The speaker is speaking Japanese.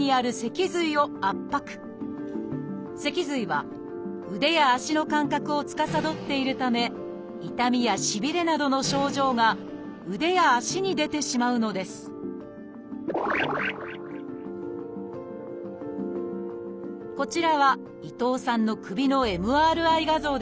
脊髄は腕や足の感覚をつかさどっているため痛みやしびれなどの症状が腕や足に出てしまうのですこちらは伊藤さんの首のＭＲＩ画像です。